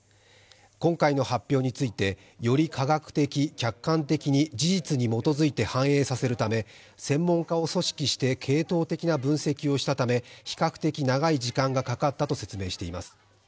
今回の発表についてより科学的、客観的に事実に基づいて反映させるため、専門家を組織して系統的な分析をしたため比較的長い時間がかかったと説明しています。